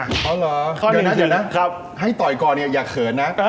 อ๋อเหรอเดี๋ยวนะให้ต่อยก่อนเนี่ยอย่าเขินนะ